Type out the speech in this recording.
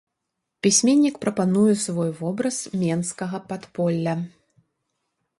Пісьменнік прапануе свой вобраз менскага падполля.